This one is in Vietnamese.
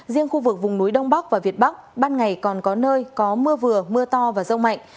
riêng khu vực vùng núi đông bắc và việt bắc ban ngày còn có nơi có mưa vừa mưa to và rông mạnh